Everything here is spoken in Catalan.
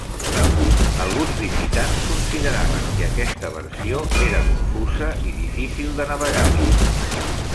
Alguns visitants consideraven que aquesta versió era confusa i difícil de navegar-hi.